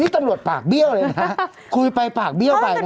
ตำรวจปากเบี้ยวเลยนะคุยไปปากเบี้ยวไปนะ